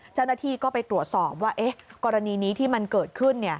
เจ้าหน้าที่ก็ไปตรวจสอบว่ากรณีนี้ที่มันเกิดขึ้น